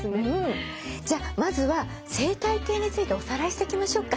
じゃあまずは生態系についておさらいしていきましょうか。